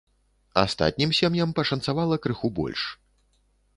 Астатнім сем'ям пашанцавала крыху больш.